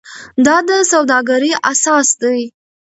دا د سوداګرۍ اساس دی.